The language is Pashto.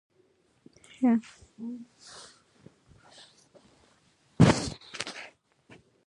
اورنۍ لېوالتیا هغه پیلامه ده چې خوب لیدونکي یې باید ولري